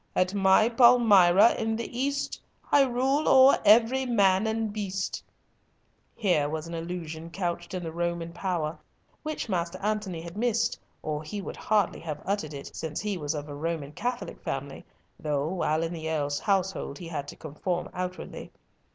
At my Palmyra, in the East, I rule o'er every man and beast" Here was an allusion couched in the Roman power, which Master Antony had missed, or he would hardly have uttered it, since he was of a Roman Catholic family, though, while in the Earl's household, he had to conform outwardly.